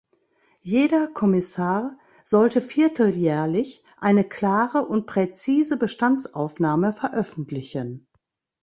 Jeder Kommissar sollte vierteljährlich eine klare und präzise Bestandsaufnahme veröffentlichen.